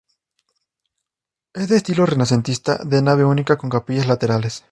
Es de estilo renacentista de nave única con capillas laterales.